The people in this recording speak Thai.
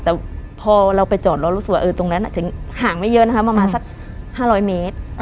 แต่พอเราไปจอดเรารู้สึกว่าตรงนั้นอาจจะห่างไม่เยอะนะคะประมาณสัก๕๐๐เมตร